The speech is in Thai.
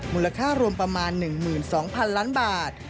มูลค่ารวมประมาณ๑๒๐๐๐ล้านบาท